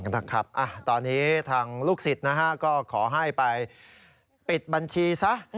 นะครับตอนนี้ทางลูกศิษย์นะฮะก็ขอให้ไปปิดบัญชีซะ